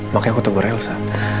makanya aku tungguin elsa